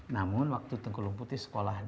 namun waktu tengku long putih sekolahnya